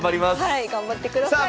はい頑張ってください。